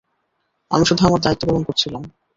আমি শুধু আমার দায়িত্ব পালন করছিলাম।